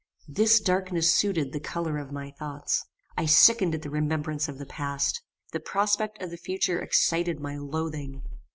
This darkness suited the colour of my thoughts. I sickened at the remembrance of the past. The prospect of the future excited my loathing.